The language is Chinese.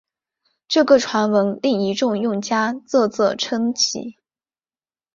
这个传闻令一众用家啧啧称奇！